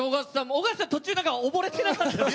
尾形さん、途中溺れてなかったですか？